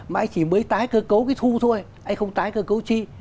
mà anh chỉ mới tái cơ cấu cái thu thôi anh không tái cơ cấu chi